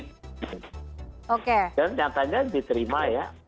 dan nyatanya diterima ya